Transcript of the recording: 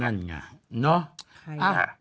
นั่นไงเนาะ